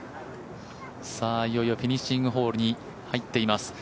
いよいよフィニッシングホールに入っています。